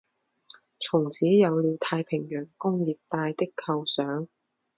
从此有了太平洋工业带的构想。